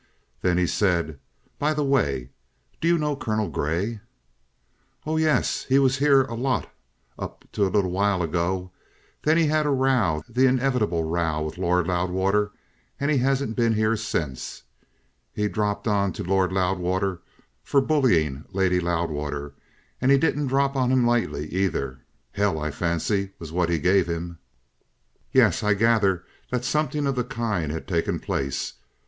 Then he said: "By the way, do you know Colonel Grey?" "Oh, yes. He was here a lot up to a little while ago. Then he had a row, the inevitable row, with Lord Loudwater, and he hasn't been here since. He dropped on to Lord Loudwater for bullying Lady Loudwater, and he didn't drop on him lightly either. Hell, I fancy, was what he gave him." "Yes; I gathered that something of the kind had taken place.